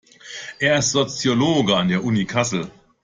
Er ist Soziologe an der Uni Kassel.